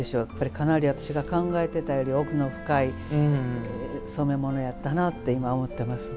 かなり、私が考えていたより奥の深い染め物やったなと今、思ってます。